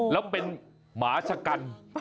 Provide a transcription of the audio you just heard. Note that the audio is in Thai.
แล้วเป็นหมาชะกัน